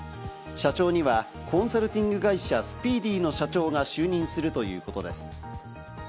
社長にはコンサルティング会社スピーディの社長が就任するということです。